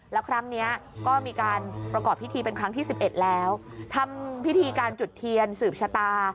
แล้วครั้งเนี้ยก็มีการประกอบพิธีเป็นครั้งที่สิบเอ็ดแล้วทำพิธีการจุดเทียนสืบชะตา